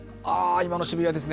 今の渋谷ですね。